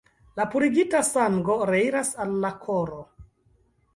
La purigita sango reiras al la koro.